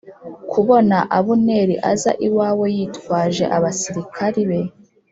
Kubona Abuneri aza iwawe yitwaje abasirikari be